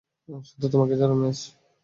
শুধু তোমাকে ছাড়া, মেস।